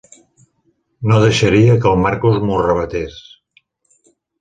No deixaria que el Marcos m'ho arravatés.